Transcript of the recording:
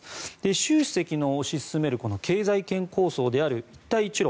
習主席の推し進める経済圏構想である一帯一路。